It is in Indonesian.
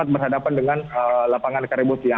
berhadapan dengan lapangan karibusi